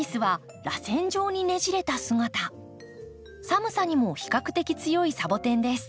寒さにも比較的強いサボテンです。